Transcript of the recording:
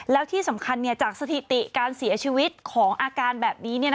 แล้วที่สำคัญจากสถิติการเสียชีวิตของอาการแบบนี้